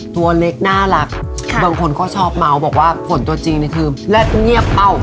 ตัวเล็กน่ารักบางคนก็ชอบเมาส์บอกว่าผลตัวจริงนี่คือเลิศเงียบเป้า